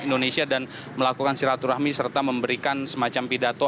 indonesia dan melakukan silaturahmi serta memberikan semacam pidato